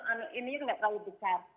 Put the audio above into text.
perancis tidak termasuk industri industri